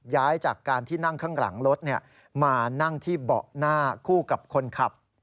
ย้ายจากการที่นั่งข้างหลังรถมานั่งที่เบาะหน้าคู่กับคนขับ